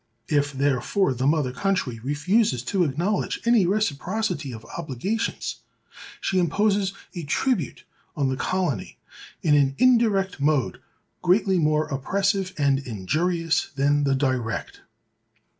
If, therefore, the mother country refuses to acknowledge any reciprocity of obligations, she imposes a tribute on the colony in an indirect mode, greatly more oppressive and injurious than the direct.